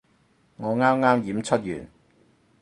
我啱啱演出完